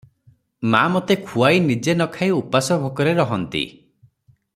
ମା' ମୋତେ ଖୁଆଇ ନିଜେ ନ ଖାଇ ଉପାସ ଭୋକରେ ରହନ୍ତି ।